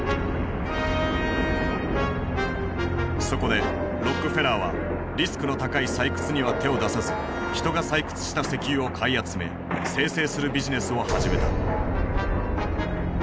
そこでロックフェラーはリスクの高い採掘には手を出さず人が採掘した石油を買い集め精製するビジネスを始めた。